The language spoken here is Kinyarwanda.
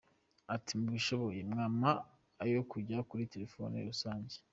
Ati “ Mubishoboye mwampa ayo kujya kuri terefoni rusange.